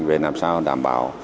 về làm sao đảm bảo